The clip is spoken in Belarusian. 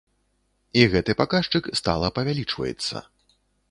І гэты паказчык стала павялічваецца.